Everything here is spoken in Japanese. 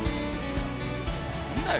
何だよ